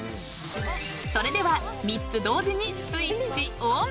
［それでは３つ同時にスイッチオン］